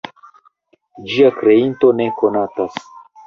Ĝia kreinto ne konatas.